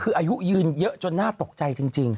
คืออายุยืนเยอะจนน่าตกใจจริง